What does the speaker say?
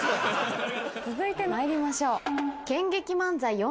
続いてまいりましょう。